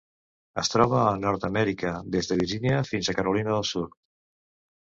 Es troba a Nord-amèrica: des de Virgínia fins a Carolina del Sud.